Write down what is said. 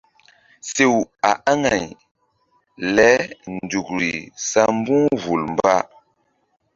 Sew a aŋay lenzukri sa mbu̧h vul mba.